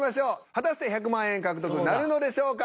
果たして１００万円獲得なるのでしょうか？